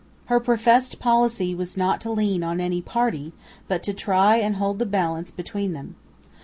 Her professed policy was not to lean on any party, but to try and hold the balance between them.